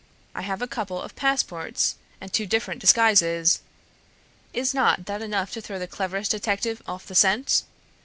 I have a couple of passports and two different disguises; is not that enough to throw the cleverest detective off the scent?